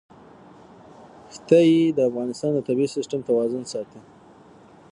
ښتې د افغانستان د طبعي سیسټم توازن ساتي.